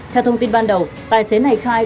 theo thông tin ban đầu tài xế này khai